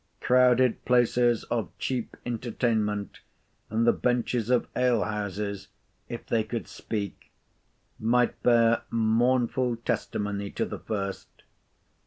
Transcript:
Crowded places of cheap entertainment, and the benches of ale houses, if they could speak, might bear mournful testimony to the first.